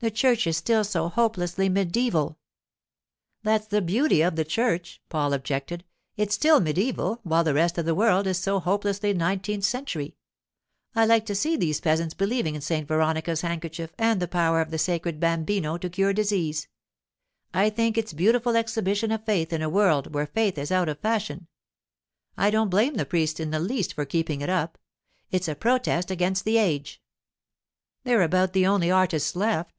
The church is still so hopelessly mediaeval!' 'That's the beauty of the church,' Paul objected. 'It's still mediaeval, while the rest of the world is so hopelessly nineteenth century. I like to see these peasants believing in St. Veronica's handkerchief and the power of the sacred Bambino to cure disease. I think it's a beautiful exhibition of faith in a world where faith is out of fashion. I don't blame the priests in the least for keeping it up. It's a protest against the age. They're about the only artists left.